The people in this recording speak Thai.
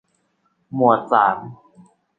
หมวดสาม